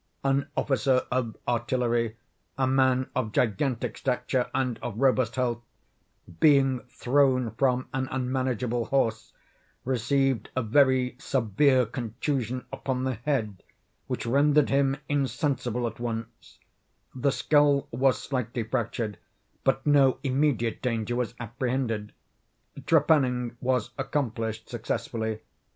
An officer of artillery, a man of gigantic stature and of robust health, being thrown from an unmanageable horse, received a very severe contusion upon the head, which rendered him insensible at once; the skull was slightly fractured, but no immediate danger was apprehended. Trepanning was accomplished successfully.